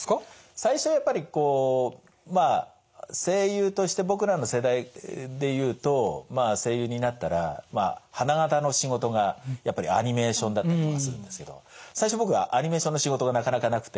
最初はやっぱりこうまあ声優として僕らの世代で言うと声優になったらまあ花形の仕事がやっぱりアニメーションだったりとかするんですけど最初僕はアニメーションの仕事がなかなかなくて。